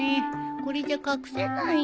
これじゃ隠せないよ。